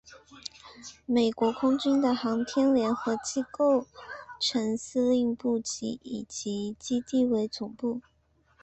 美国空军的航天联合机能构成司令部即以此基地为总部。